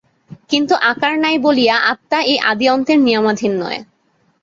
কিন্তু আকার নাই বলিয়া আত্মা এই আদি-অন্তের নিয়মাধীন নয়।